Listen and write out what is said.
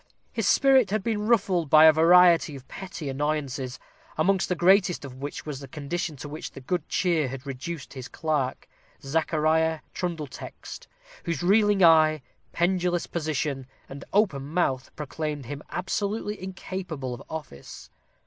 His spirit had been ruffled by a variety of petty annoyances, amongst the greatest of which was the condition to which the good cheer had reduced his clerk, Zachariah Trundletext, whose reeling eye, pendulous position, and open mouth proclaimed him absolutely incapable of office.